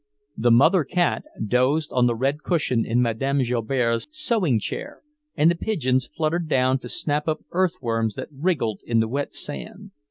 The mother cat dozed on the red cushion in Madame Joubert's sewing chair, and the pigeons fluttered down to snap up earthworms that wriggled in the wet sand.